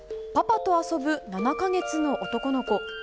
パパと遊ぶ７か月の男の子。